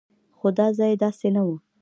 خو دا ځای داسې نه و.